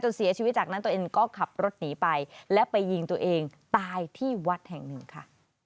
เสียชีวิตจากนั้นตัวเองก็ขับรถหนีไปและไปยิงตัวเองตายที่วัดแห่งหนึ่งค่ะ